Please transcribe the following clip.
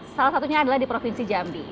salah satunya adalah di provinsi jambi